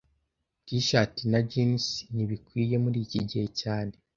T-shati na jans ntibikwiye muriki gihe cyane